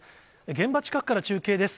現場近くから中継です。